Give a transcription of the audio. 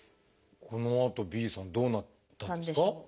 このあとＢさんどうなったんですか？